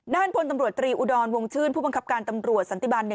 พลตำรวจตรีอุดรวงชื่นผู้บังคับการตำรวจสันติบัน๑